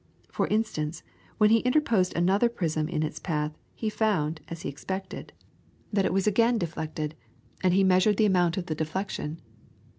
For instance, when he interposed another prism in its path, he found, as he expected, that it was again deflected, and he measured the amount of the deflection.